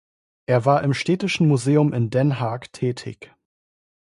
Er war im Städtischen Museum in Den Haag tätig.